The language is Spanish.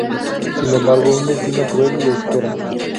Sin embargo un destino cruel le espera.